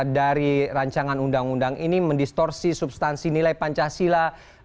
dari rancangan undang undang ini mendistorsi substansi nilai pancasila